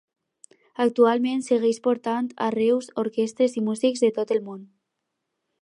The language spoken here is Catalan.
Actualment segueix portant a Reus orquestres i músics de tot el món.